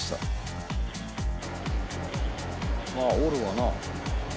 まあ織るわな。